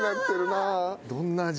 どんな味？